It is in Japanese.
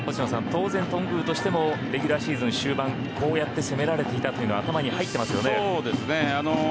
当然、頓宮としてもレギュラーシーズン終盤こうやって攻められていたのが頭に入っていますよね。